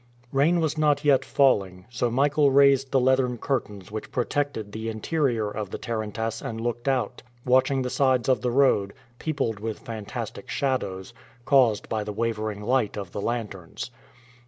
Rain was not yet falling, so Michael raised the leathern curtains which protected the interior of the tarantass and looked out, watching the sides of the road, peopled with fantastic shadows, caused by the wavering light of the lanterns.